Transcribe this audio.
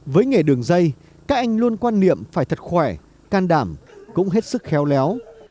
với nghề đường dây các anh luôn quan niệm phải thật khỏe can đảm cũng hết sức khéo léo